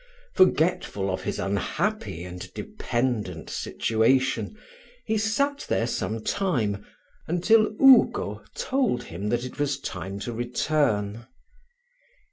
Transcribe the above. Forgetful of his unhappy and dependent situation, he sat there some time, until Ugo told him that it was time to return.